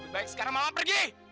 baik sekarang mama pergi